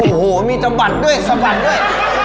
โอ้โหมีสะบัดด้วยสะบัดด้วย